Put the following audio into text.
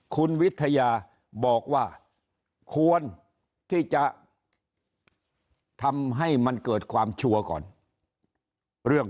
คุณวิทยาบอกว่าควรที่จะทำให้มันเกิดความชัวร์ก่อนเรื่อง